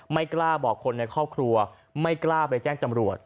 ไม่กล้าบอกคนในครอบครัวไม่กล้าไปแจ้งจำรวจ